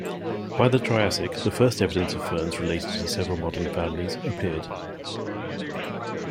By the Triassic, the first evidence of ferns related to several modern families appeared.